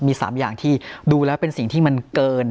มี๓อย่างที่ดูแล้วเป็นสิ่งที่มันเกิน